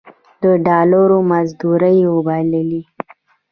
د ډالرو مزدورۍ وبللې.